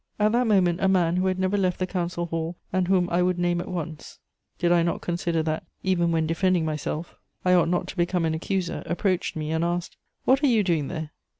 "At that moment a man, who had never left the council hall, and whom I would name at once did I not consider that, even when defending myself, I ought not to become an accuser, approached me and asked: "'What are you doing there?'